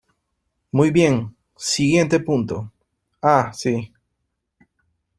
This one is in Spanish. Muy bien, siguiente punto. Ah , sí .